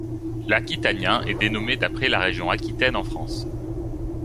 L'Aquitanien est dénommé d'après la région Aquitaine en France.